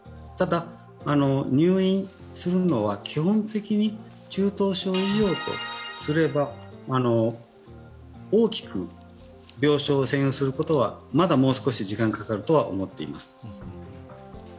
ただ入院するのは基本的に中等症以上とすれば大きく病床を占有することは、まだもう少し時間がかかると思っています。